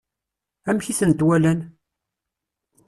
Amek i tent-walan?